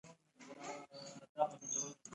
ازادي راډیو د اقلیتونه اړوند شکایتونه راپور کړي.